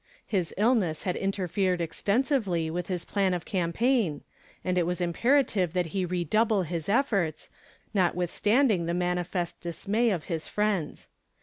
His illness had interfered extensively with his plan of campaign and it was imperative that he redouble his efforts, notwithstanding the manifest dismay of his friends.